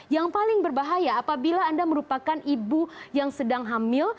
yang paling berbahaya apabila anda merupakan ibu yang sedang hamil